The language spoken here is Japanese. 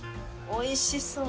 おいしそう！